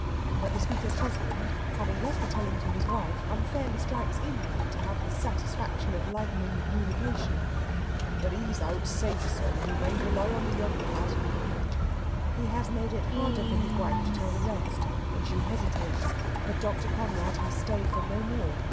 But the speaker's husband, having left the telling to his wife, unfairly strikes in here, to have the satisfaction of lightening the communication. "But he's out safe, sir. You may rely on the yoong lad." He has made it harder for his wife to tell the rest, and she hesitates. But Dr. Conrad has stayed for no more.